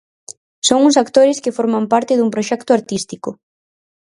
Son uns actores que forman parte dun proxecto artístico.